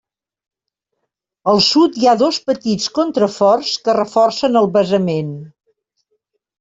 Al sud hi ha dos petits contraforts que reforcen el basament.